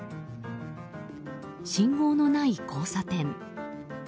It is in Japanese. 信号のない交差点。